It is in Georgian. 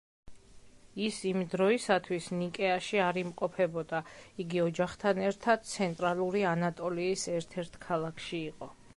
ის იმ დროისათვის ნიკეაში არ იმყოფებოდა, იგი ოჯახთან ერთად ცენტრალური ანატოლიის ერთ-ერთ ქალაქში იყო.